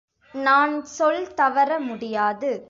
நான் சொல் தவற முடியாது.